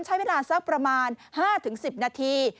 ใช้เวลาสักประมาณ๕๑๐นาที